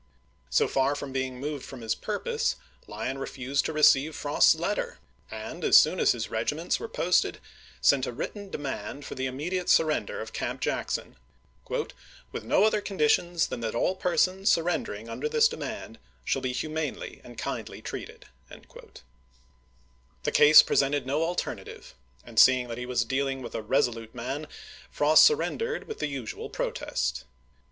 So far from being moved from his purpose, Lyon refused to receive Frost's letter; and, as soon as his regiments were posted, sent a written demand for the immediate surrender of Camp Jackson, 214 ABKAHAM LINCOLN Chap. XI. "with no Other conditions than that all persons surrendering under this demand shall be humanely and kindly treated." The case presented no alter native ; and seeing that he was dealing with a reso lute man, Frost surrendered with the usual protest.